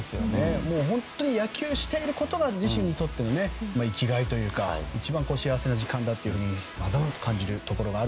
本当に野球をしていることが自身にとって生きがいというか一番幸せな時間だというのをまざまざと感じますね。